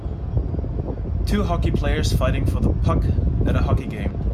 Two hockey players fighting for the puck at hockey game